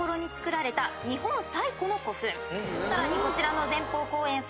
さらにこちらの前方後円墳。